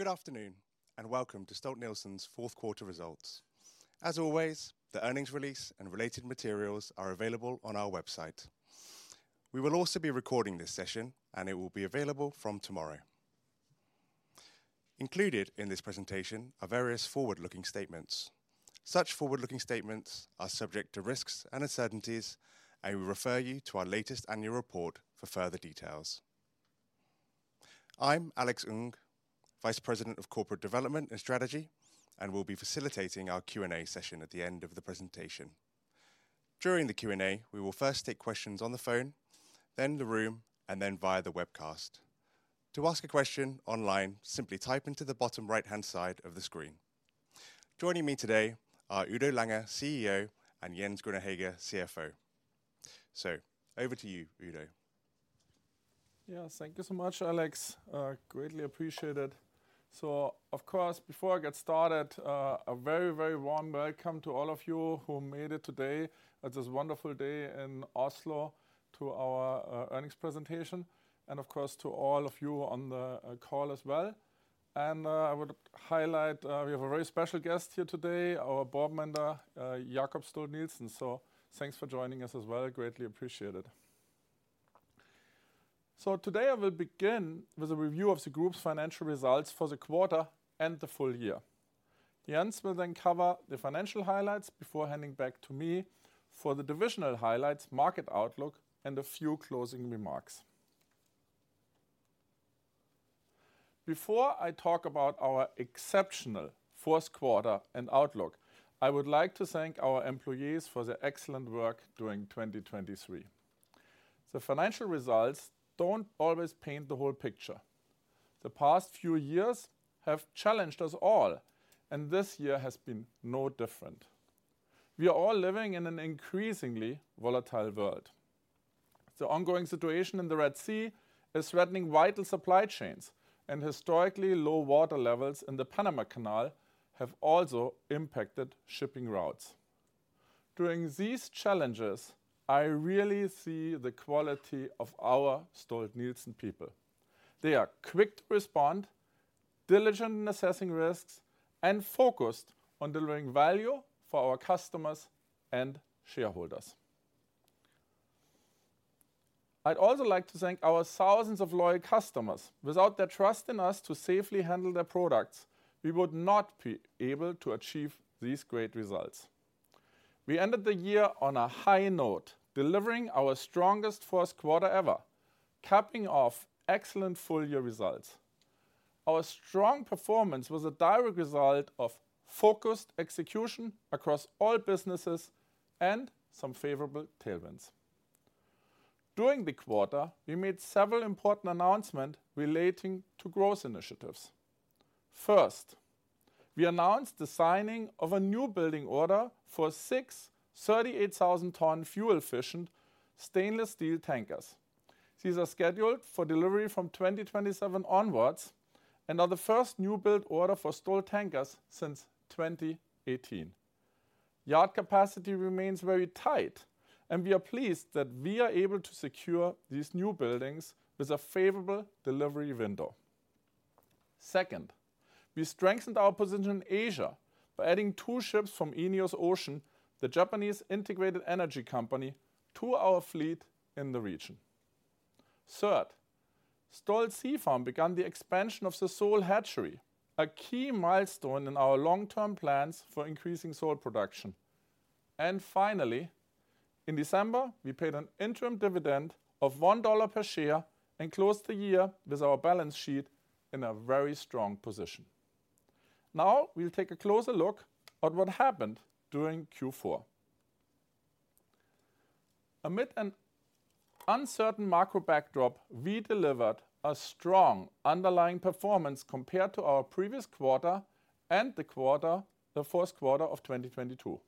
Good afternoon, and welcome to Stolt-Nielsen's fourth quarter results. As always, the earnings release and related materials are available on our website. We will also be recording this session, and it will be available from tomorrow. Included in this presentation are various forward-looking statements. Such forward-looking statements are subject to risks and uncertainties. I will refer you to our latest annual report for further details. I'm Alex Ng, Vice President of Corporate Development and Strategy, and will be facilitating our Q&A session at the end of the presentation. During the Q&A, we will first take questions on the phone, then the room, and then via the webcast. To ask a question online, simply type into the bottom right-hand side of the screen. Joining me today are Udo Lange, CEO, and Jens Grüner-Hegge, CFO. So over to you, Udo. Yeah, thank you so much, Alex. Greatly appreciated. So of course, before I get started, a very, very warm welcome to all of you who made it today. It is a wonderful day in Oslo to our earnings presentation, and of course, to all of you on the call as well. And, I would highlight, we have a very special guest here today, our board member, Jacob Stolt-Nielsen. So thanks for joining us as well, greatly appreciated. So today I will begin with a review of the group's financial results for the quarter and the full year. Jens will then cover the financial highlights before handing back to me for the divisional highlights, market outlook, and a few closing remarks. Before I talk about our exceptional fourth quarter and outlook, I would like to thank our employees for their excellent work during 2023. The financial results don't always paint the whole picture. The past few years have challenged us all, and this year has been no different. We are all living in an increasingly volatile world. The ongoing situation in the Red Sea is threatening vital supply chains, and historically low water levels in the Panama Canal have also impacted shipping routes. During these challenges, I really see the quality of our Stolt-Nielsen people. They are quick to respond, diligent in assessing risks, and focused on delivering value for our customers and shareholders. I'd also like to thank our thousands of loyal customers. Without their trust in us to safely handle their products, we would not be able to achieve these great results. We ended the year on a high note, delivering our strongest fourth quarter ever, capping off excellent full-year results. Our strong performance was a direct result of focused execution across all businesses and some favorable tailwinds. During the quarter, we made several important announcements relating to growth initiatives. First, we announced the signing of a newbuilding order for six 38,000-ton fuel-efficient stainless steel tankers. These are scheduled for delivery from 2027 onwards and are the first new build order for Stolt Tankers since 2018. Yard capacity remains very tight, and we are pleased that we are able to secure these newbuildings with a favorable delivery window. Second, we strengthened our position in Asia by adding two ships from ENEOS Ocean, the Japanese integrated energy company, to our fleet in the region. Third, Stolt Sea Farm began the expansion of the sole hatchery, a key milestone in our long-term plans for increasing sole production. And finally, in December, we paid an interim dividend of $1 per share and closed the year with our balance sheet in a very strong position. Now, we'll take a closer look at what happened during Q4. Amid an uncertain macro backdrop, we delivered a strong underlying performance compared to our previous quarter and the quarter, the fourth quarter of 2022.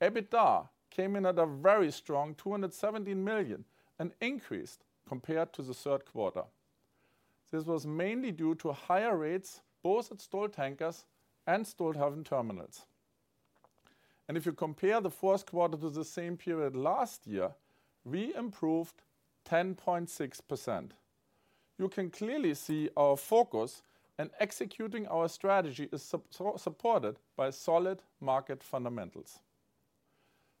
EBITDA came in at a very strong $217 million, an increase compared to the third quarter. This was mainly due to higher rates, both at Stolt Tankers and Stolthaven Terminals. And if you compare the fourth quarter to the same period last year, we improved 10.6%. You can clearly see our focus on executing our strategy is supported by solid market fundamentals.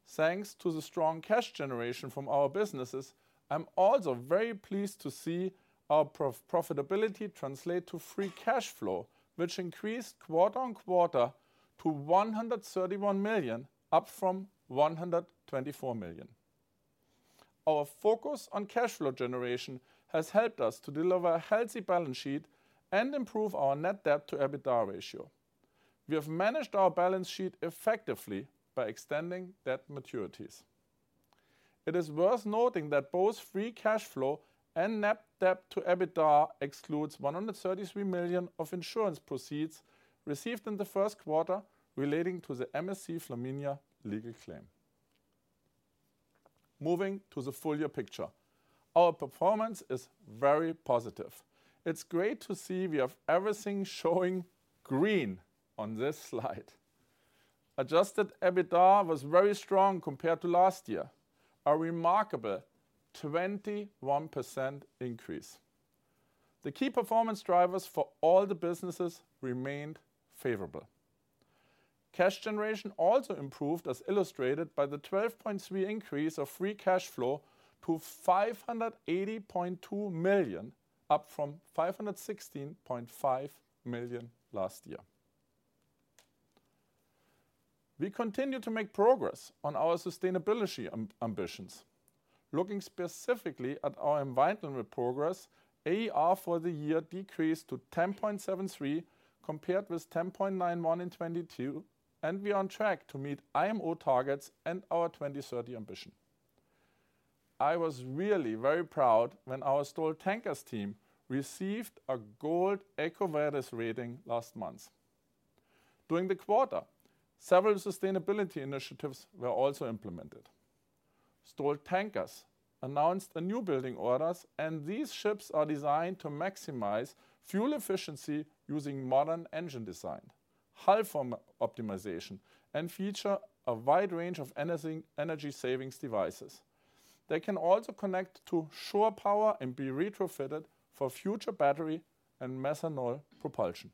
Thanks to the strong cash generation from our businesses, I'm also very pleased to see our profitability translate to free cash flow, which increased quarter-over-quarter to $131 million, up from $124 million. Our focus on cash flow generation has helped us to deliver a healthy balance sheet and improve our net debt to EBITDA ratio. We have managed our balance sheet effectively by extending debt maturities. It is worth noting that both free cash flow and net debt to EBITDA excludes $133 million of insurance proceeds received in the first quarter relating to the MSC Flaminia legal claim. Moving to the full year picture, our performance is very positive. It's great to see we have everything showing green on this slide. Adjusted EBITDA was very strong compared to last year, a remarkable 21% increase. The key performance drivers for all the businesses remained favorable. Cash generation also improved, as illustrated by the 12.3 increase of free cash flow to $580.2 million, up from $516.5 million last year. We continue to make progress on our sustainability ambitions. Looking specifically at our environmental progress, AER for the year decreased to 10.73, compared with 10.91 in 2022, and we are on track to meet IMO targets and our 2030 ambition. I was really very proud when our Stolt Tankers team received a Gold EcoVadis rating last month. During the quarter, several sustainability initiatives were also implemented. Stolt Tankers announced newbuilding orders, and these ships are designed to maximize fuel efficiency using modern engine design, hull form optimization, and feature a wide range of energy savings devices. They can also connect to shore power and be retrofitted for future battery and methanol propulsion.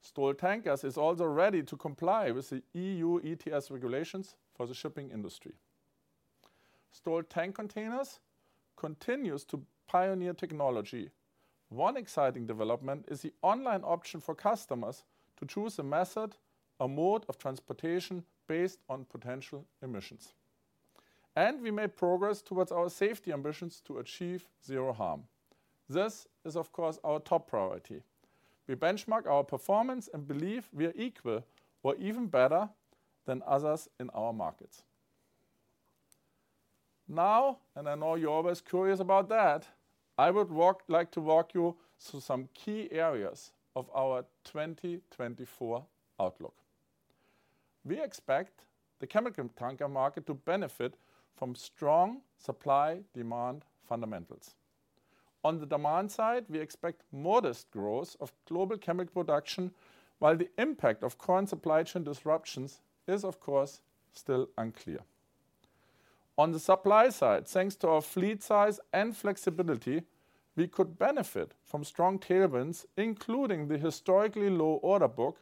Stolt Tankers is also ready to comply with the EU ETS regulations for the shipping industry. Stolt Tank Containers continues to pioneer technology. One exciting development is the online option for customers to choose a method or mode of transportation based on potential emissions. We made progress towards our safety ambitions to achieve zero harm. This is, of course, our top priority. We benchmark our performance and believe we are equal or even better than others in our markets. Now, I know you're always curious about that. I would like to walk you through some key areas of our 2024 outlook. We expect the chemical tanker market to benefit from strong supply-demand fundamentals. On the demand side, we expect modest growth of global chemical production, while the impact of current supply chain disruptions is, of course, still unclear. On the supply side, thanks to our fleet size and flexibility, we could benefit from strong tailwinds, including the historically low order book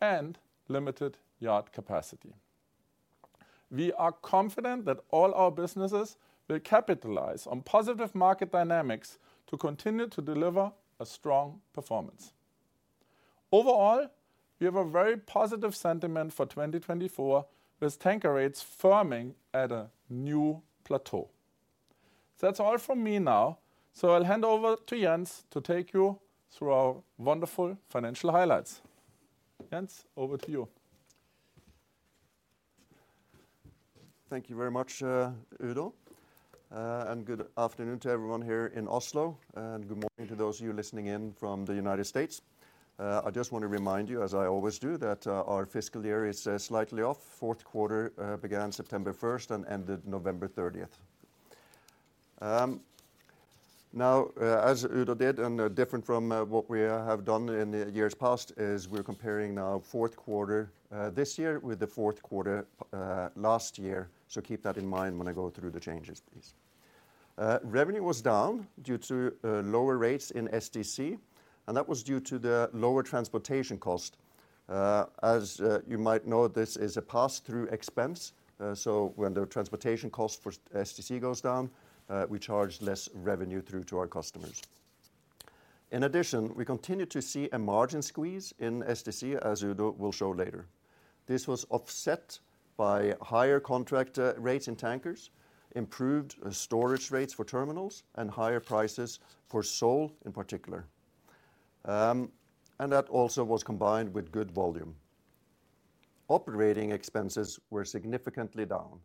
and limited yard capacity. We are confident that all our businesses will capitalize on positive market dynamics to continue to deliver a strong performance. Overall, we have a very positive sentiment for 2024, with tanker rates firming at a new plateau. That's all from me now, so I'll hand over to Jens to take you through our wonderful financial highlights. Jens, over to you. Thank you very much, Udo, and good afternoon to everyone here in Oslo, and good morning to those of you listening in from the United States. I just want to remind you, as I always do, that our fiscal year is slightly off. Fourth quarter began September 1st and ended November 30th. Now, as Udo did, and different from what we have done in the years past, is we're comparing now fourth quarter this year with the fourth quarter last year. So keep that in mind when I go through the changes, please. Revenue was down due to lower rates in STC, and that was due to the lower transportation cost. As you might know, this is a pass-through expense. So when the transportation cost for STC goes down, we charge less revenue through to our customers. In addition, we continue to see a margin squeeze in STC, as Udo will show later. This was offset by higher contract rates in tankers, improved storage rates for terminals, and higher prices for sole in particular. And that also was combined with good volume. Operating expenses were significantly down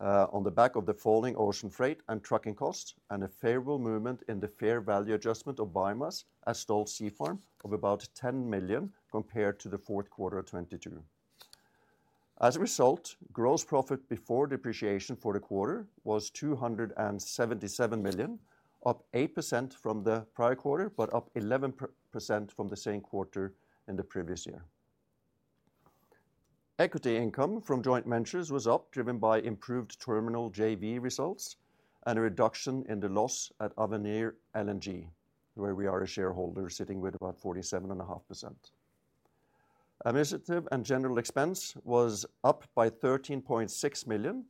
on the back of the falling ocean freight and trucking costs, and a favorable movement in the fair value adjustment of biomass at Stolt Sea Farm of about $10 million, compared to the fourth quarter of 2022. As a result, gross profit before depreciation for the quarter was $277 million, up 8% from the prior quarter, but up 11% from the same quarter in the previous year. Equity income from joint ventures was up, driven by improved terminal JV results and a reduction in the loss at Avenir LNG, where we are a shareholder sitting with about 47.5%. Administrative and general expense was up by $13.6 million.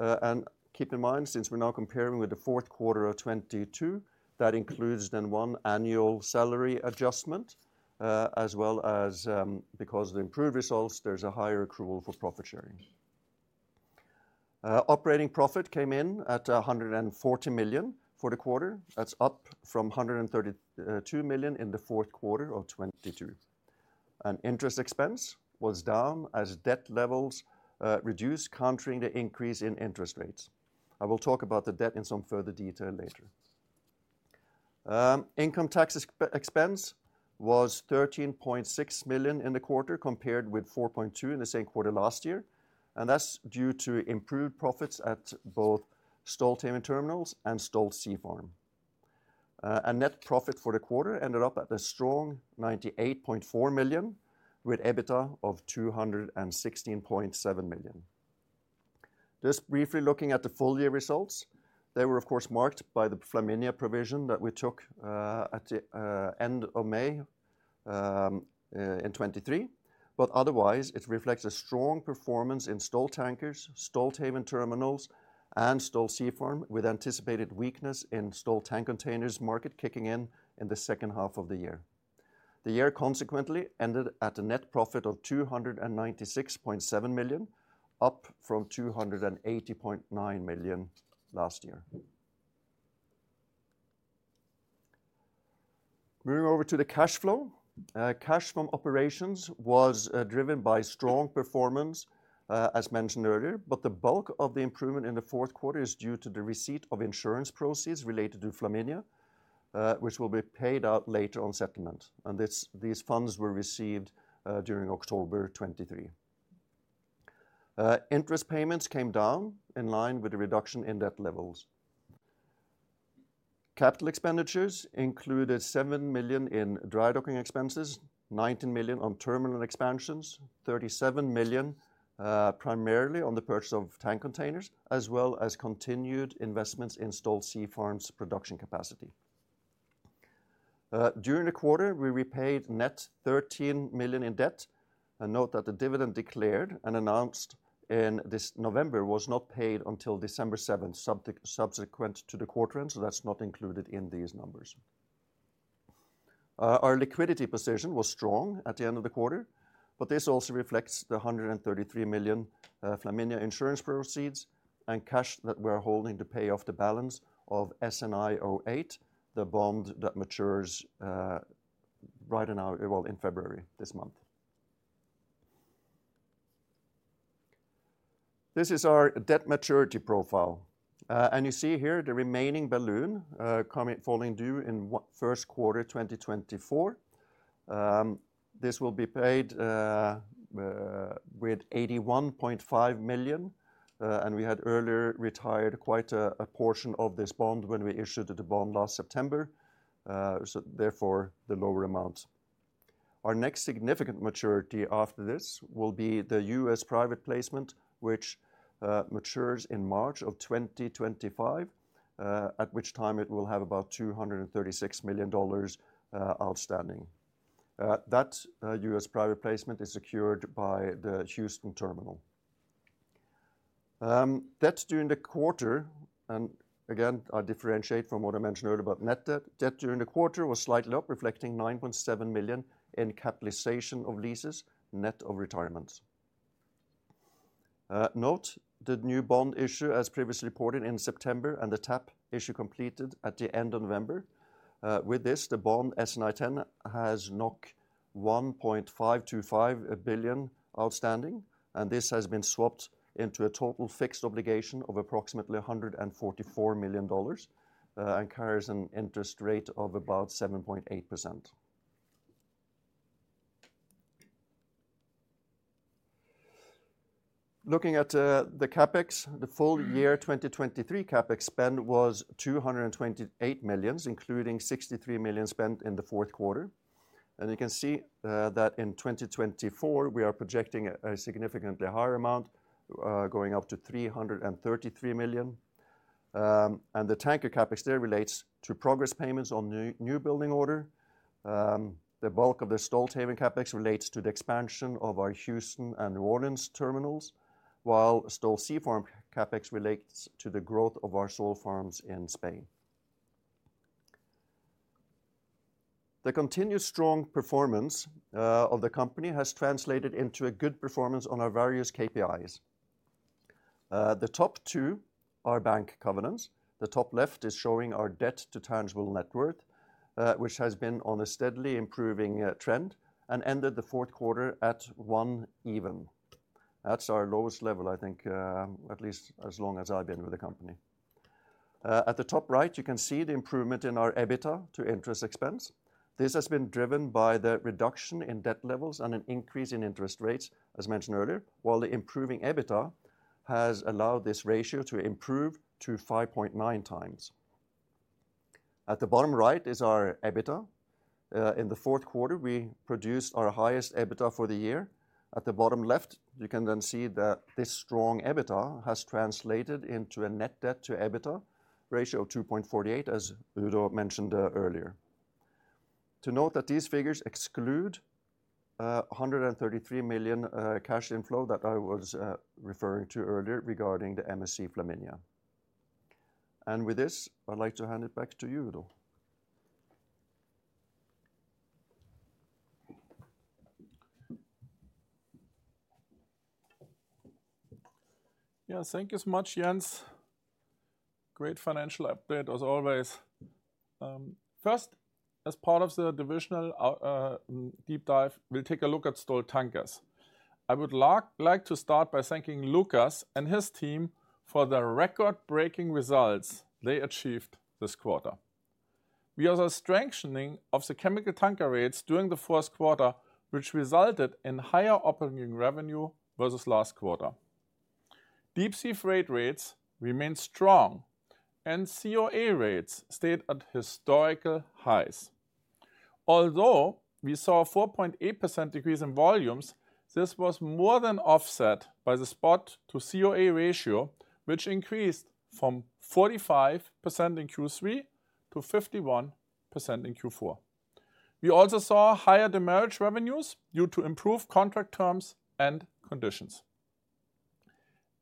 And keep in mind, since we're now comparing with the fourth quarter of 2022, that includes then one annual salary adjustment, as well as, because of the improved results, there's a higher accrual for profit sharing. Operating profit came in at $140 million for the quarter. That's up from $132 million in the fourth quarter of 2022. And interest expense was down, as debt levels reduced, countering the increase in interest rates. I will talk about the debt in some further detail later. Income tax expense was $13.6 million in the quarter, compared with $4.2 million in the same quarter last year, and that's due to improved profits at both Stolthaven Terminals and Stolt Sea Farm. Net profit for the quarter ended up at a strong $98.4 million, with EBITDA of $216.7 million. Just briefly looking at the full year results, they were of course marked by the Flaminia provision that we took at the end of May in 2023. Otherwise, it reflects a strong performance in Stolt Tankers, Stolthaven Terminals, and Stolt Sea Farm, with anticipated weakness in Stolt Tank Containers market kicking in in the second half of the year. The year consequently ended at a net profit of $296.7 million, up from $280.9 million last year. Moving over to the cash flow. Cash from operations was driven by strong performance, as mentioned earlier, but the bulk of the improvement in the fourth quarter is due to the receipt of insurance proceeds related to Flaminia, which will be paid out later on settlement, and these funds were received during October 2023. Interest payments came down in line with the reduction in debt levels. Capital expenditures included $7 million in dry docking expenses, $19 million on terminal expansions, $37 million, primarily on the purchase of tank containers, as well as continued investments in Stolt Sea Farm's production capacity. During the quarter, we repaid net $13 million in debt, and note that the dividend declared and announced in this November was not paid until December seventh, subsequent to the quarter, and so that's not included in these numbers. Our liquidity position was strong at the end of the quarter, but this also reflects the $133 million Flaminia insurance proceeds and cash that we're holding to pay off the balance of SNI-08, the bond that matures right in our... Well, in February, this month. This is our debt maturity profile. You see here the remaining balloon falling due in what, first quarter 2024. This will be paid with $81.5 million, and we had earlier retired quite a portion of this bond when we issued the bond last September. So therefore, the lower amount. Our next significant maturity after this will be the U.S. private placement, which matures in March of 2025, at which time it will have about $236 million outstanding. That U.S. private placement is secured by the Houston terminal. Debts during the quarter, and again, I differentiate from what I mentioned earlier about net debt. Debt during the quarter was slightly up, reflecting $9.7 million in capitalization of leases, net of retirements. Note, the new bond issue, as previously reported in September, and the tap issue completed at the end of November. With this, the bond, SNI-10, has 1.525 billion outstanding, and this has been swapped into a total fixed obligation of approximately $144 million, and carries an interest rate of about 7.8%. Looking at the CapEx, the full year 2023 CapEx spend was 228 million, including $63 million spent in the fourth quarter. You can see that in 2024, we are projecting a significantly higher amount, going up to $333 million. The tanker CapEx there relates to progress payments on newbuilding order. The bulk of the Stolthaven CapEx relates to the expansion of our Houston and New Orleans terminals, while Stolt Sea Farm CapEx relates to the growth of our solar farms in Spain. The continuous strong performance of the company has translated into a good performance on our various KPIs. The top two are bank covenants. The top left is showing our debt to tangible net worth, which has been on a steadily improving trend and ended the fourth quarter at 1.0. That's our lowest level, I think, at least as long as I've been with the company. At the top right, you can see the improvement in our EBITDA to interest expense. This has been driven by the reduction in debt levels and an increase in interest rates, as mentioned earlier, while the improving EBITDA has allowed this ratio to improve to 5.9x. At the bottom right is our EBITDA. In the fourth quarter, we produced our highest EBITDA for the year. At the bottom left, you can then see that this strong EBITDA has translated into a net debt to EBITDA ratio of 2.48, as Udo mentioned, earlier. To note that these figures exclude $133 million cash inflow that I was referring to earlier regarding the MSC Flaminia. And with this, I'd like to hand it back to you, Udo. Yeah. Thank you so much, Jens. Great financial update as always. First, as part of the divisional out, deep dive, we'll take a look at Stolt Tankers. I would like to start by thanking Lucas and his team for the record-breaking results they achieved this quarter. We saw a strengthening of the chemical tanker rates during the first quarter, which resulted in higher operating revenue versus last quarter. Deep-sea freight rates remained strong, and COA rates stayed at historical highs. Although we saw a 4.8% decrease in volumes, this was more than offset by the spot to COA ratio, which increased from 45% in Q3 to 51% in Q4. We also saw higher demurrage revenues due to improved contract terms and conditions.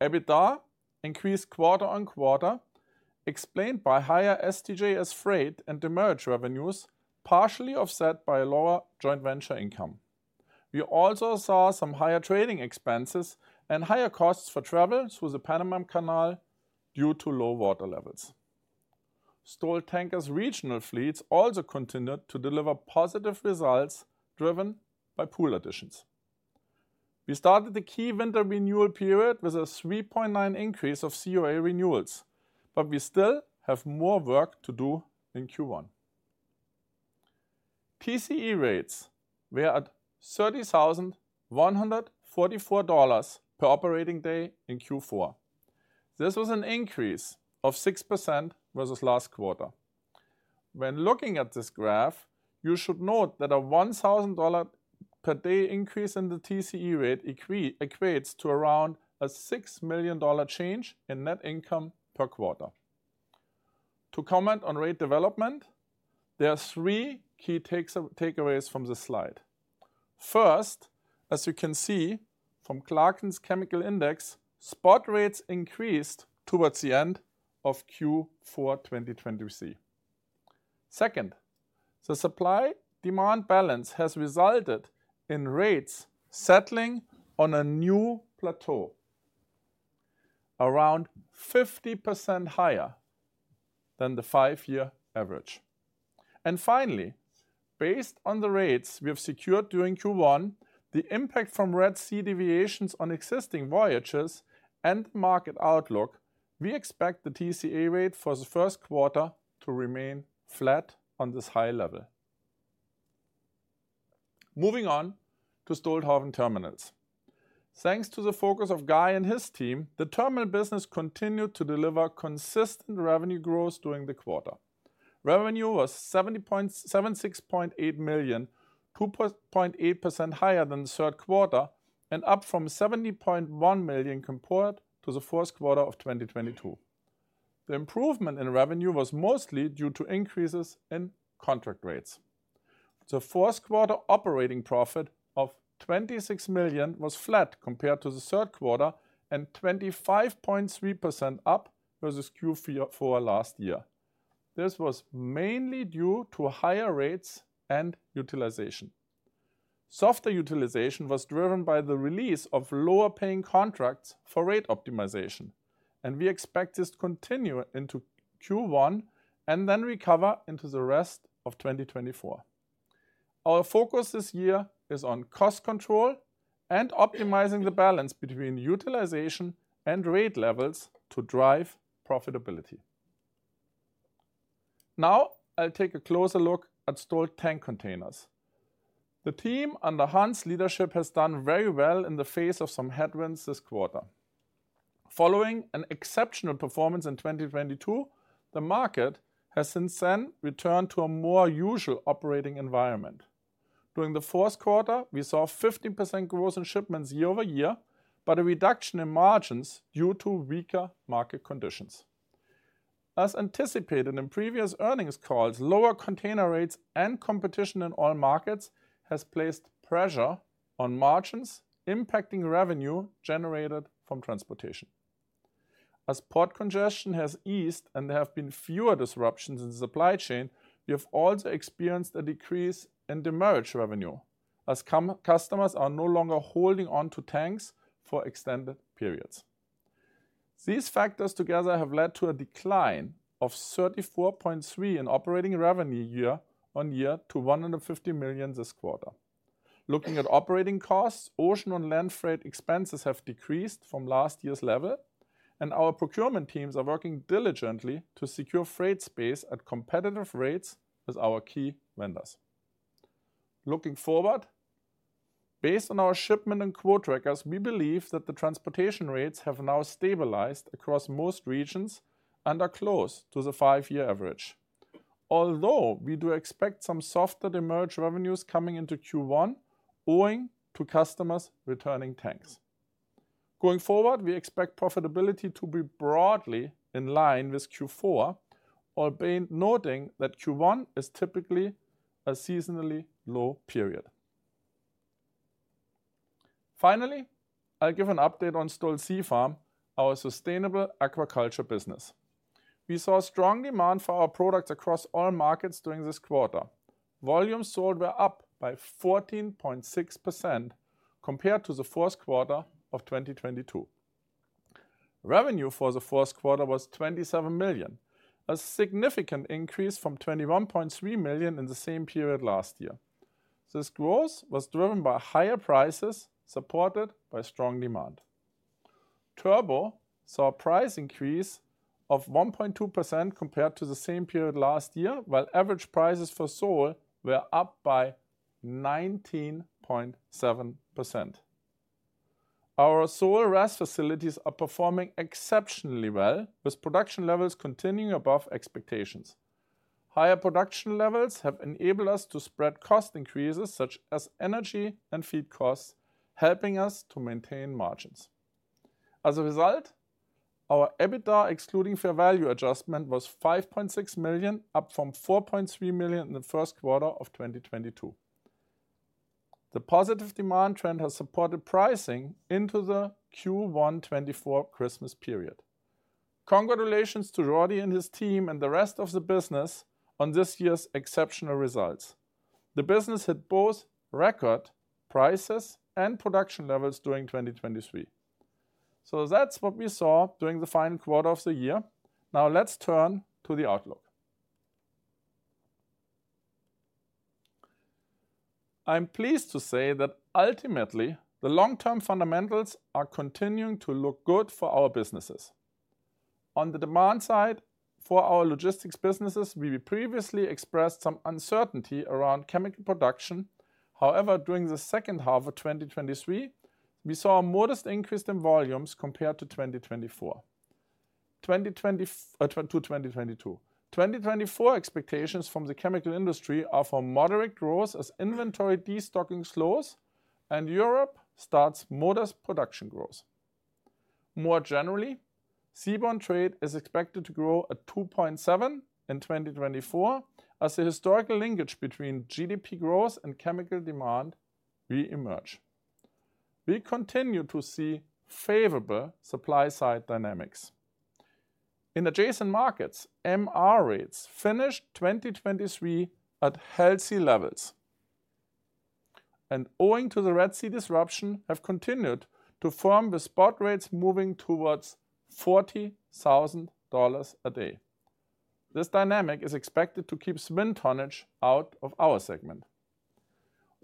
EBITDA increased quarter on quarter, explained by higher STJS freight and demurrage revenues, partially offset by a lower joint venture income. We also saw some higher trading expenses and higher costs for travel through the Panama Canal due to low water levels. Stolt Tankers regional fleets also continued to deliver positive results, driven by pool additions. We started the key winter renewal period with a 3.9 increase of COA renewals, but we still have more work to do in Q1. TCE rates were at $30,144 per operating day in Q4. This was an increase of 6% versus last quarter. When looking at this graph, you should note that a $1,000 per day increase in the TCE rate equates to around a $6 million change in net income per quarter. To comment on rate development, there are three key takeaways from this slide. First, as you can see from Clarkson's Chemical Index, spot rates increased towards the end of Q4, 2023. Second, the supply-demand balance has resulted in rates settling on a new plateau, around 50% higher than the five-year average. And finally, based on the rates we have secured during Q1, the impact from Red Sea deviations on existing voyages and market outlook, we expect the TCE rate for the first quarter to remain flat on this high level. Moving on to Stolthaven Terminals. Thanks to the focus of Guy and his team, the terminal business continued to deliver consistent revenue growth during the quarter. Revenue was $76.8 million, 2.8% higher than the third quarter and up from $70.1 million compared to the fourth quarter of 2022. The improvement in revenue was mostly due to increases in contract rates. The fourth quarter operating profit of $26 million was flat compared to the third quarter and 25.3% up versus Q4 last year. This was mainly due to higher rates and utilization. Softer utilization was driven by the release of lower-paying contracts for rate optimization, and we expect this to continue into Q1 and then recover into the rest of 2024. Our focus this year is on cost control and optimizing the balance between utilization and rate levels to drive profitability. Now, I'll take a closer look at Stolt Tank Containers. The team, under Hans' leadership, has done very well in the face of some headwinds this quarter. Following an exceptional performance in 2022, the market has since then returned to a more usual operating environment. During the fourth quarter, we saw 15% growth in shipments year-over-year, but a reduction in margins due to weaker market conditions. As anticipated in previous earnings calls, lower container rates and competition in all markets has placed pressure on margins, impacting revenue generated from transportation. As port congestion has eased and there have been fewer disruptions in the supply chain, we have also experienced a decrease in demurrage revenue, as customers are no longer holding on to tanks for extended periods. These factors together have led to a decline of 34.3% in operating revenue year-over-year to $150 million this quarter. Looking at operating costs, ocean and land freight expenses have decreased from last year's level, and our procurement teams are working diligently to secure freight space at competitive rates with our key vendors. Looking forward, based on our shipment and quote records, we believe that the transportation rates have now stabilized across most regions and are close to the five-year average. Although we do expect some softer demurrage revenues coming into Q1 owing to customers returning tanks. Going forward, we expect profitability to be broadly in line with Q4, while noting that Q1 is typically a seasonally low period. Finally, I'll give an update on Stolt Sea Farm, our sustainable aquaculture business. We saw strong demand for our products across all markets during this quarter. Volumes sold were up by 14.6% compared to the fourth quarter of 2022. Revenue for the fourth quarter was $27 million, a significant increase from $21.3 million in the same period last year. This growth was driven by higher prices, supported by strong demand. Turbot saw a price increase of 1.2% compared to the same period last year, while average prices for sole were up by 19.7%. Our sole RAS facilities are performing exceptionally well, with production levels continuing above expectations. Higher production levels have enabled us to spread cost increases such as energy and feed costs, helping us to maintain margins. As a result, our EBITDA, excluding fair value adjustment, was $5.6 million, up from $4.3 million in the first quarter of 2022. The positive demand trend has supported pricing into the Q1 2024 Christmas period. Congratulations to Jordi and his team and the rest of the business on this year's exceptional results. The business hit both record prices and production levels during 2023. So that's what we saw during the final quarter of the year. Now let's turn to the outlook. I'm pleased to say that ultimately, the long-term fundamentals are continuing to look good for our businesses. On the demand side, for our logistics businesses, we previously expressed some uncertainty around chemical production. However, during the second half of 2023, we saw a modest increase in volumes compared to 2022. 2024 expectations from the chemical industry are for moderate growth as inventory destocking slows and Europe starts modest production growth. More generally, seaborne trade is expected to grow at 2.7 in 2024, as the historical linkage between GDP growth and chemical demand re-emerge. We continue to see favorable supply-side dynamics. In adjacent markets, MR rates finished 2023 at healthy levels, and owing to the Red Sea disruption, have continued to firm with spot rates moving towards $40,000 a day. This dynamic is expected to keep swing tonnage out of our segment.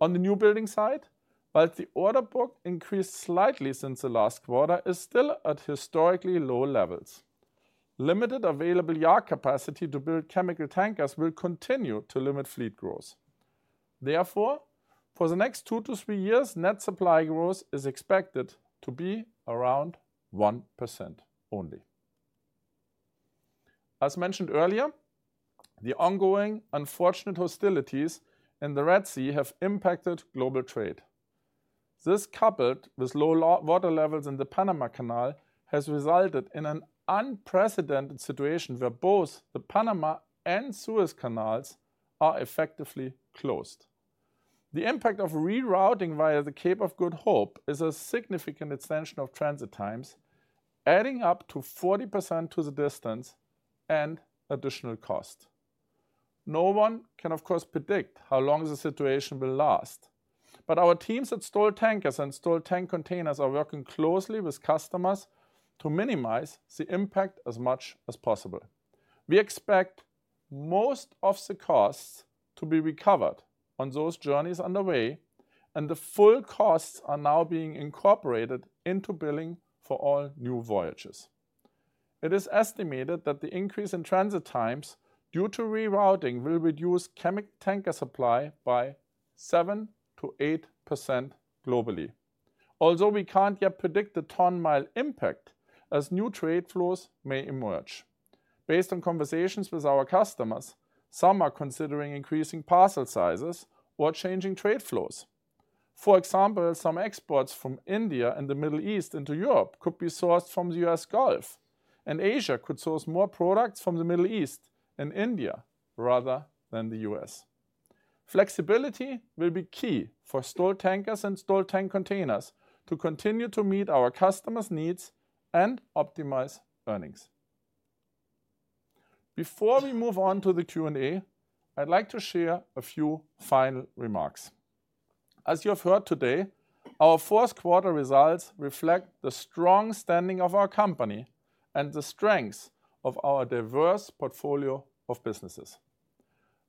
On the newbuilding side, while the order book increased slightly since the last quarter, it is still at historically low levels. Limited available yard capacity to build chemical tankers will continue to limit fleet growth. Therefore, for the next two to three years, net supply growth is expected to be around 1% only. As mentioned earlier, the ongoing unfortunate hostilities in the Red Sea have impacted global trade. This, coupled with low water levels in the Panama Canal, has resulted in an unprecedented situation where both the Panama and Suez Canals are effectively closed. The impact of rerouting via the Cape of Good Hope is a significant extension of transit times, adding up to 40% to the distance and additional cost. No one can, of course, predict how long the situation will last, but our teams at Stolt Tankers and Stolt Tank Containers are working closely with customers to minimize the impact as much as possible. We expect most of the costs to be recovered on those journeys underway, and the full costs are now being incorporated into billing for all new voyages. It is estimated that the increase in transit times due to rerouting will reduce chemical tanker supply by 7%-8% globally. Although we can't yet predict the ton-mile impact, as new trade flows may emerge. Based on conversations with our customers, some are considering increasing parcel sizes or changing trade flows. For example, some exports from India and the Middle East into Europe could be sourced from the U.S. Gulf, and Asia could source more products from the Middle East and India rather than the U.S. Flexibility will be key for Stolt Tankers and Stolt Tank Containers to continue to meet our customers' needs and optimize earnings. Before we move on to the Q&A, I'd like to share a few final remarks. As you have heard today, our fourth quarter results reflect the strong standing of our company and the strengths of our diverse portfolio of businesses.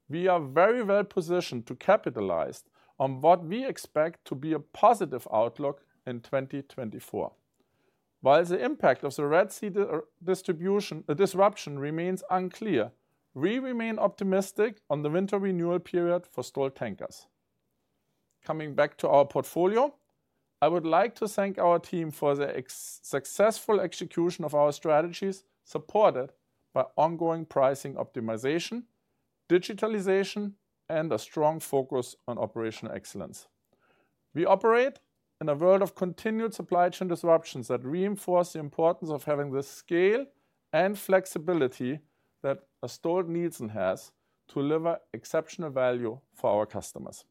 We are very well positioned to capitalize on what we expect to be a positive outlook in 2024. While the impact of the Red Sea disruption remains unclear, we remain optimistic on the winter renewal period for Stolt Tankers. Coming back to our portfolio, I would like to thank our team for the successful execution of our strategies, supported by ongoing pricing optimization, digitalization, and a strong focus on operational excellence. We operate in a world of continued supply chain disruptions that reinforce the importance of having the scale and flexibility that a Stolt needs and has to deliver exceptional value for our customers.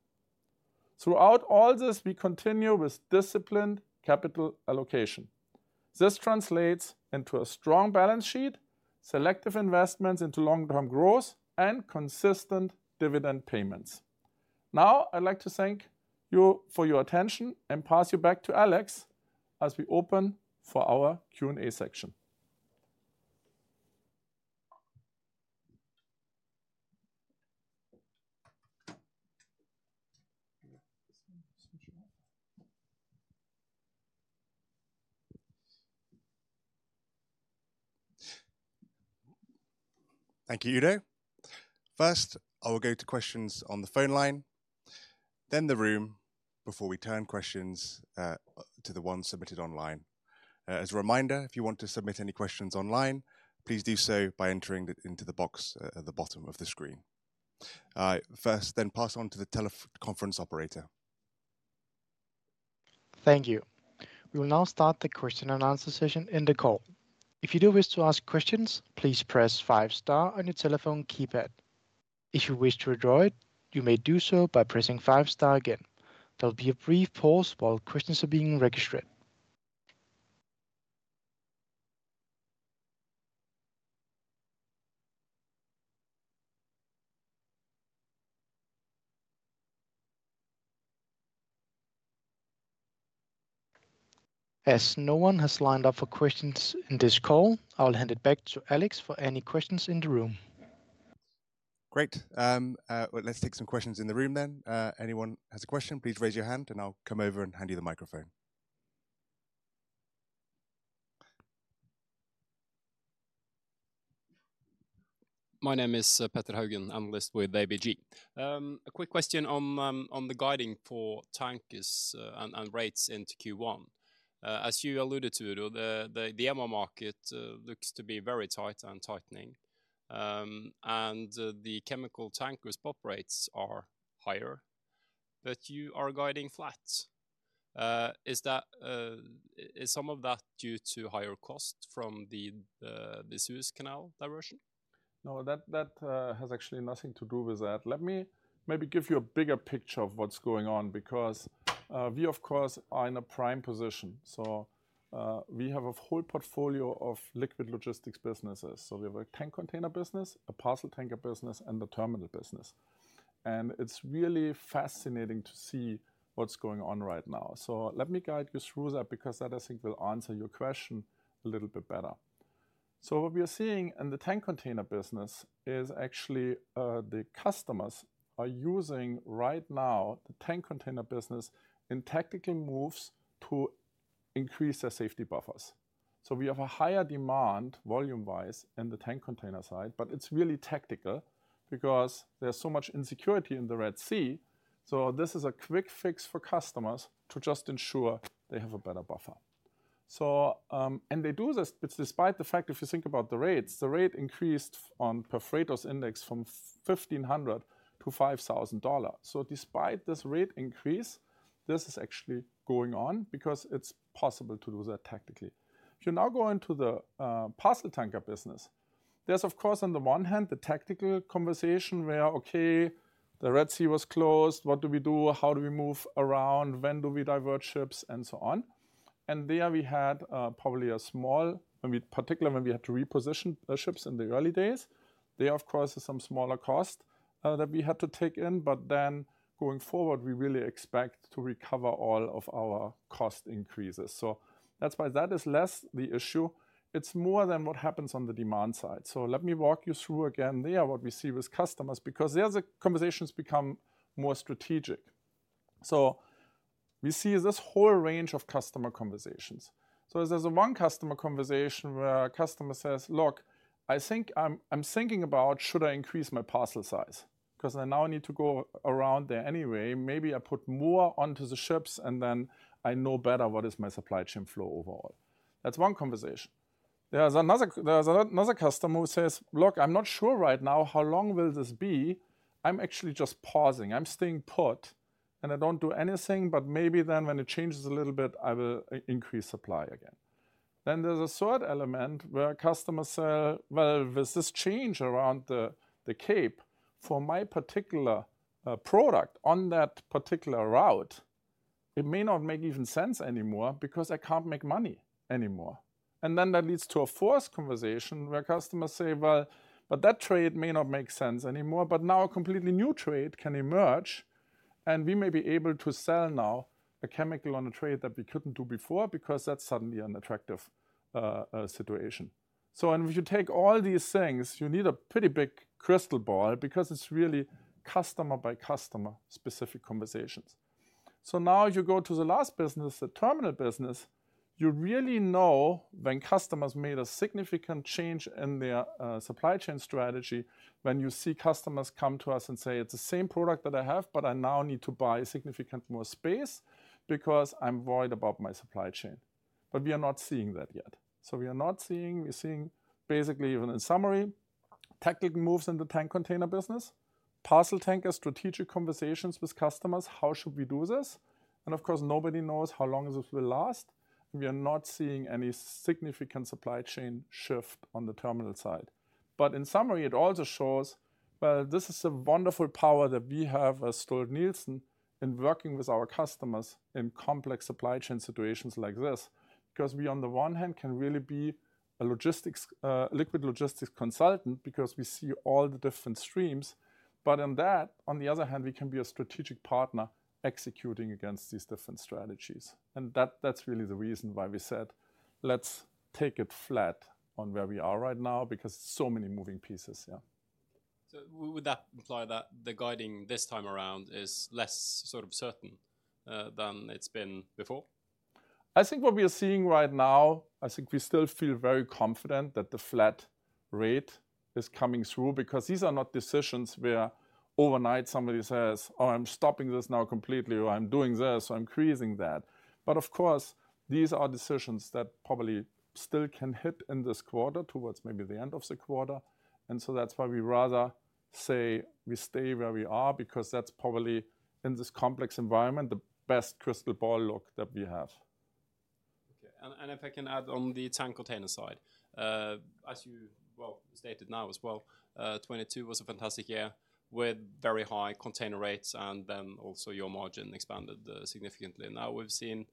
Throughout all this, we continue with disciplined capital allocation. This translates into a strong balance sheet, selective investments into long-term growth, and consistent dividend payments. Now, I'd like to thank you for your attention and pass you back to Alex as we open for our Q&A section. Thank you, Udo. First, I will go to questions on the phone line, then the room, before we turn questions to the ones submitted online. As a reminder, if you want to submit any questions online, please do so by entering it into the box at the bottom of the screen. First, then pass on to the teleconference operator. Thank you. We will now start the question-and-answer session in the call. If you do wish to ask questions, please press five star on your telephone keypad. If you wish to withdraw it, you may do so by pressing five star again. There'll be a brief pause while questions are being registered. As no one has lined up for questions in this call, I'll hand it back to Alex for any questions in the room. Great. Well, let's take some questions in the room then. Anyone has a question, please raise your hand, and I'll come over and hand you the microphone. My name is Petter Haugen, analyst with ABG. A quick question on the guiding for tankers and rates into Q1. As you alluded to, the MR market looks to be very tight and tightening. And the chemical tankers spot rates are higher, but you are guiding flat. Is some of that due to higher costs from the Suez Canal diversion? No, that has actually nothing to do with that. Let me maybe give you a bigger picture of what's going on, because we, of course, are in a prime position. So we have a whole portfolio of liquid logistics businesses. So we have a tank container business, a parcel tanker business, and a terminal business. And it's really fascinating to see what's going on right now. So let me guide you through that, because that, I think, will answer your question a little bit better. So what we are seeing in the tank container business is actually the customers are using right now the tank container business in tactical moves to increase their safety buffers. So we have a higher demand, volume-wise, in the tank container side, but it's really tactical because there's so much insecurity in the Red Sea, so this is a quick fix for customers to just ensure they have a better buffer. So, and they do this, it's despite the fact, if you think about the rates, the rate increased on the Freightos index from $1,500-$5,000. So despite this rate increase, this is actually going on because it's possible to do that tactically. If you now go into the parcel tanker business, there's, of course, on the one hand, the tactical conversation where, okay, the Red Sea was closed, what do we do? How do we move around? When do we divert ships, and so on. There we had, probably a small, I mean, particularly when we had to reposition the ships in the early days. There, of course, is some smaller cost, that we had to take in, but then going forward, we really expect to recover all of our cost increases. So that's why that is less the issue. It's more than what happens on the demand side. So let me walk you through again there, what we see with customers, because there, the conversations become more strategic. So we see this whole range of customer conversations. So there's a one customer conversation where a customer says, "Look, I think I'm thinking about should I increase my parcel size? 'Cause I now need to go around there anyway. Maybe I put more onto the ships, and then I know better what is my supply chain flow overall." That's one conversation. There's another customer who says, "Look, I'm not sure right now how long will this be. I'm actually just pausing. I'm staying put, and I don't do anything, but maybe then when it changes a little bit, I will increase supply again." Then there's a third element where customers say, "Well, with this change around the Cape, for my particular product on that particular route, it may not make even sense anymore because I can't make money anymore." And then that leads to a fourth conversation where customers say, "Well, but that trade may not make sense anymore, but now a completely new trade can emerge, and we may be able to sell now a chemical on a trade that we couldn't do before because that's suddenly an attractive situation." So and if you take all these things, you need a pretty big crystal ball because it's really customer by customer specific conversations. So now you go to the last business, the terminal business. You really know when customers made a significant change in their supply chain strategy, when you see customers come to us and say, "It's the same product that I have, but I now need to buy significantly more space because I'm worried about my supply chain." But we are not seeing that yet. So we are not seeing—we're seeing basically, even in summary, tactical moves in the tank container business, parcel tanker, strategic conversations with customers, how should we do this? And of course, nobody knows how long this will last. We are not seeing any significant supply chain shift on the terminal side. But in summary, it also shows, well, this is a wonderful power that we have as Stolt-Nielsen in working with our customers in complex supply chain situations like this. 'Cause we, on the one hand, can really be a logistics, liquid logistics consultant because we see all the different streams, but in that, on the other hand, we can be a strategic partner executing against these different strategies. And that, that's really the reason why we said, "Let's take it flat on where we are right now," because so many moving pieces, yeah.... So would that imply that the guiding this time around is less sort of certain than it's been before? I think what we are seeing right now, I think we still feel very confident that the flat rate is coming through, because these are not decisions where overnight somebody says, "Oh, I'm stopping this now completely," or, "I'm doing this, so I'm increasing that." But of course, these are decisions that probably still can hit in this quarter, towards maybe the end of the quarter, and so that's why we rather say we stay where we are, because that's probably, in this complex environment, the best crystal ball look that we have. Okay, and if I can add on the tank container side. As you, well, stated now as well, 2022 was a fantastic year with very high container rates, and then also your margin expanded significantly. Now, we've seen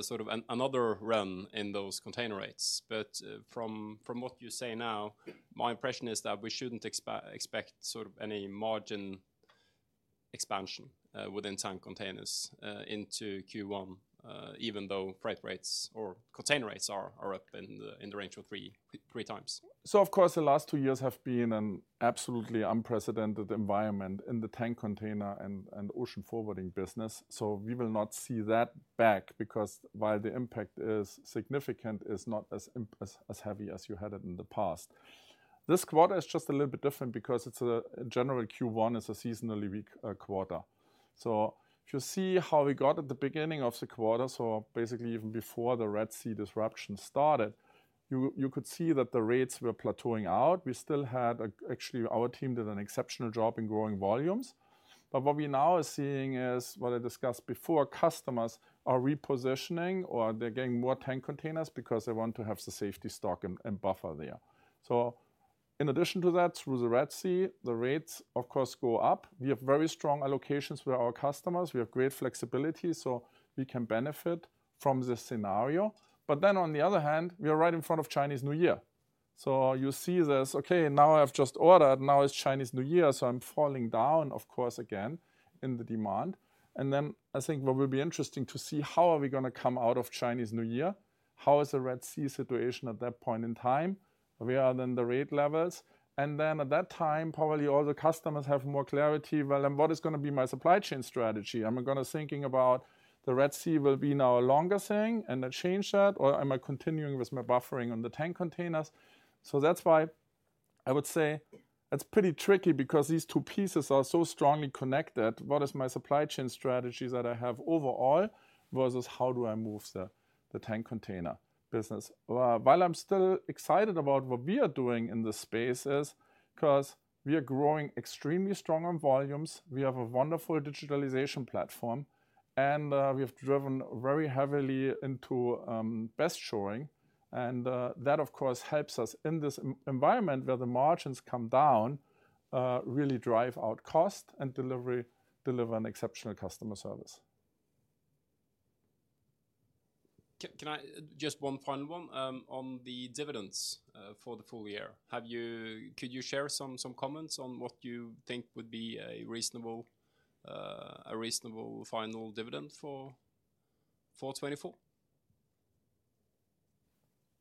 sort of another run in those container rates. But from what you say now, my impression is that we shouldn't expect sort of any margin expansion within tank containers into Q1, even though freight rates or container rates are up in the range of 3x. So of course, the last two years have been an absolutely unprecedented environment in the tank container and ocean forwarding business, so we will not see that back because while the impact is significant, it's not as heavy as you had it in the past. This quarter is just a little bit different because generally, Q1 is a seasonally weak quarter. So if you see how we got at the beginning of the quarter, so basically even before the Red Sea disruption started, you could see that the rates were plateauing out. We still had... Actually, our team did an exceptional job in growing volumes. But what we now are seeing is what I discussed before, customers are repositioning, or they're getting more tank containers because they want to have the safety stock and buffer there. So in addition to that, through the Red Sea, the rates, of course, go up. We have very strong allocations with our customers. We have great flexibility, so we can benefit from this scenario. But then, on the other hand, we are right in front of Chinese New Year. So you see this, "Okay, now I've just ordered. Now it's Chinese New Year, so I'm falling down, of course, again in the demand." And then I think what will be interesting to see, how are we going to come out of Chinese New Year? How is the Red Sea situation at that point in time? Where are then the rate levels? And then at that time, probably all the customers have more clarity: "Well, then what is going to be my supply chain strategy? “Am I going to thinking about the Red Sea will be now a longer thing, and I change that, or am I continuing with my buffering on the tank containers?” So that's why I would say it's pretty tricky because these two pieces are so strongly connected. What is my supply chain strategy that I have overall, versus how do I move the tank container business? While I'm still excited about what we are doing in this space, 'cause we are growing extremely strong on volumes, we have a wonderful digitalization platform, and we have driven very heavily into best shoring. And that, of course, helps us in this environment where the margins come down, really drive out cost and delivery, deliver an exceptional customer service. Can I just one final one on the dividends for the full year? Could you share some comments on what you think would be a reasonable final dividend for 2024?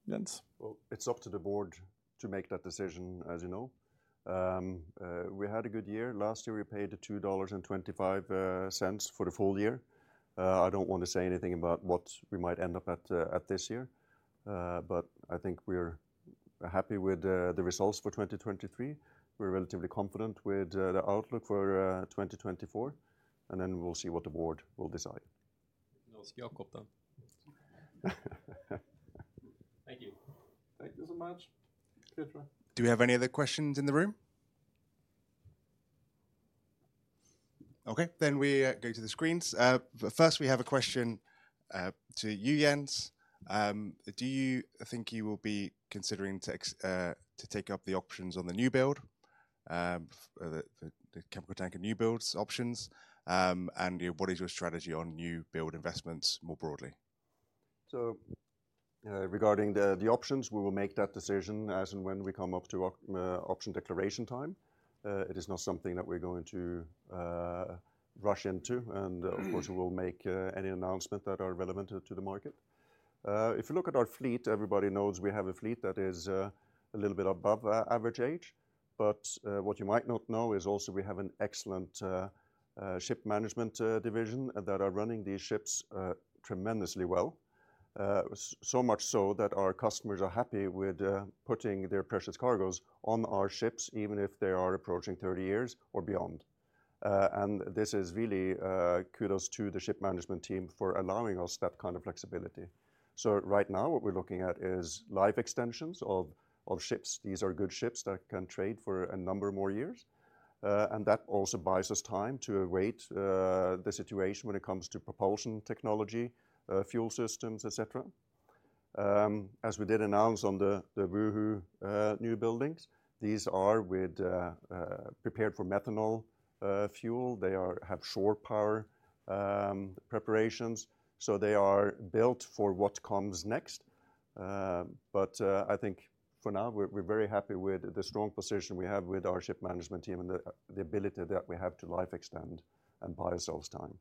Jens? Well, it's up to the board to make that decision, as you know. We had a good year. Last year, we paid $2.25 cents for the full year. I don't want to say anything about what we might end up at this year. But I think we're happy with the results for 2023. We're relatively confident with the outlook for 2024, and then we'll see what the board will decide. Ask Jacob, then. Thank you. Thank you so much, Petra. Do we have any other questions in the room? Okay, then we go to the screens. First, we have a question to you, Jens. Do you think you will be considering to take up the options on the new build, the chemical tanker new builds options? And what is your strategy on new build investments more broadly? So, regarding the options, we will make that decision as and when we come up to option declaration time. It is not something that we're going to rush into, and of course, we will make any announcement that are relevant to the market. If you look at our fleet, everybody knows we have a fleet that is a little bit above average age. But what you might not know is also we have an excellent ship management division that are running these ships tremendously well. So much so that our customers are happy with putting their precious cargoes on our ships, even if they are approaching 30 years or beyond. And this is really kudos to the ship management team for allowing us that kind of flexibility. So right now, what we're looking at is life extensions of ships. These are good ships that can trade for a number more years, and that also buys us time to await the situation when it comes to propulsion technology, fuel systems, et cetera. As we did announce on the Wuhu newbuildings, these are with prepared for methanol fuel. They are have shore power preparations, so they are built for what comes next. But I think for now, we're very happy with the strong position we have with our ship management team and the ability that we have to life extend and buy ourselves time. ...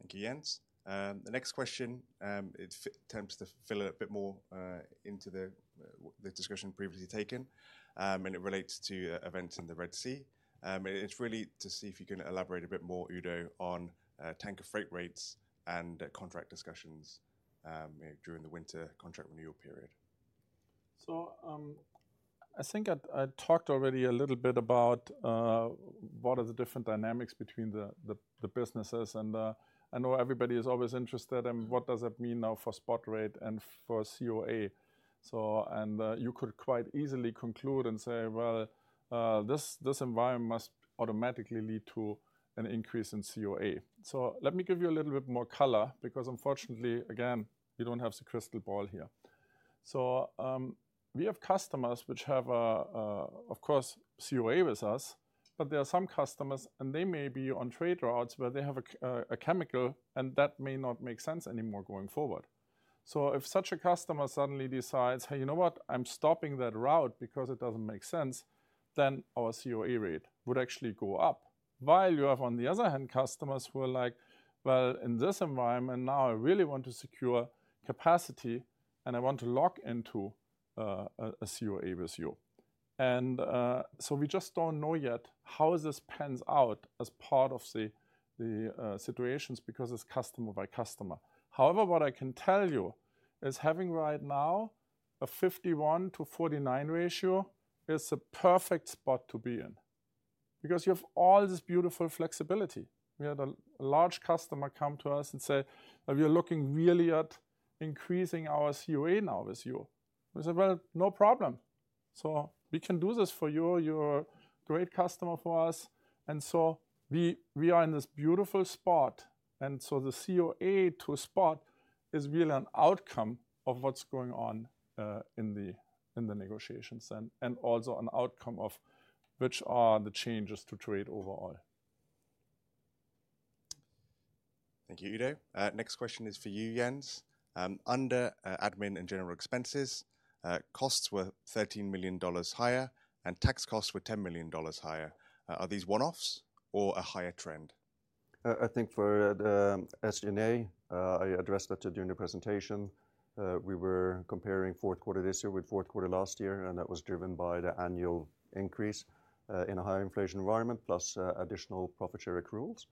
Thank you, Jens. The next question, it tends to fill a bit more into the discussion previously taken, and it relates to events in the Red Sea. And it's really to see if you can elaborate a bit more, Udo, on tanker freight rates and contract discussions during the winter contract renewal period. I think I talked already a little bit about what are the different dynamics between the businesses, and I know everybody is always interested in what does it mean now for spot rate and for COA. So you could quite easily conclude and say, "Well, this environment must automatically lead to an increase in COA." So let me give you a little bit more color, because unfortunately, again, we don't have the crystal ball here. So we have customers which have a COA with us, but there are some customers, and they may be on trade routes where they have a chemical, and that may not make sense anymore going forward. So if such a customer suddenly decides, "Hey, you know what? I'm stopping that route because it doesn't make sense," then our COA rate would actually go up. While you have, on the other hand, customers who are like: "Well, in this environment, now I really want to secure capacity, and I want to lock into a COA with you." And so we just don't know yet how this pans out as part of the situations, because it's customer by customer. However, what I can tell you is having right now a 51-49 ratio is the perfect spot to be in. Because you have all this beautiful flexibility. We had a large customer come to us and say: "We are looking really at increasing our COA now with you." We said: "Well, no problem." So we can do this for you. You're a great customer for us, and so we are in this beautiful spot. And so the COA to spot is really an outcome of what's going on in the negotiations and also an outcome of which are the changes to trade overall. Thank you, Udo. Next question is for you, Jens. Under admin and general expenses, costs were $13 million higher, and tax costs were $10 million higher. Are these one-offs or a higher trend? I think for the SG&A, I addressed that during the presentation. We were comparing fourth quarter this year with fourth quarter last year, and that was driven by the annual increase in a higher inflation environment, plus additional profit share accruals.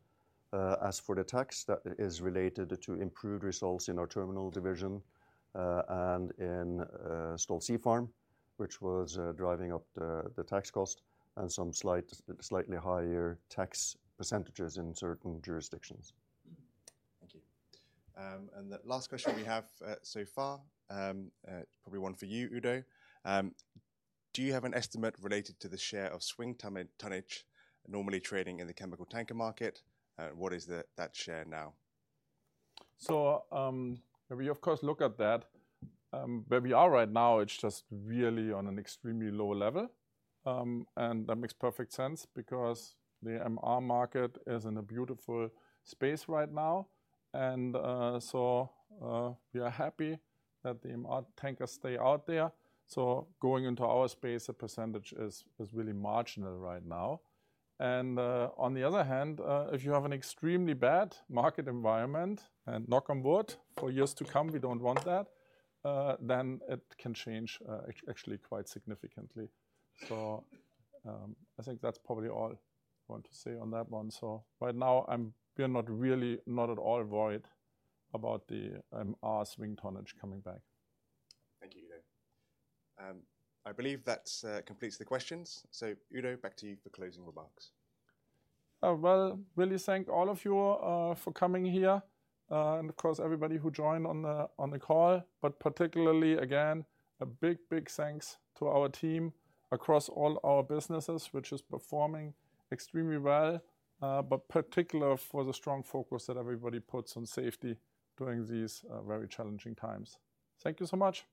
As for the tax, that is related to improved results in our terminal division and in Stolt Sea Farm, which was driving up the tax cost and some slightly higher tax percentages in certain jurisdictions. Thank you. The last question we have, so far, probably one for you, Udo. Do you have an estimate related to the share of swing tonnage normally trading in the chemical tanker market? What is that share now? So, we, of course, look at that. Where we are right now, it's just really on an extremely low level. And that makes perfect sense because the MR market is in a beautiful space right now, and so we are happy that the MR tankers stay out there. So going into our space, the percentage is really marginal right now. And on the other hand, if you have an extremely bad market environment, and knock on wood, for years to come, we don't want that, then it can change, actually quite significantly. So, I think that's probably all I want to say on that one. So right now, we are not really, not at all worried about our swing tonnage coming back. Thank you, Udo. I believe that completes the questions. So, Udo, back to you for closing remarks. Well, really thank all of you for coming here, and of course, everybody who joined on the call, but particularly, again, a big, big thanks to our team across all our businesses, which is performing extremely well, but particular for the strong focus that everybody puts on safety during these very challenging times. Thank you so much!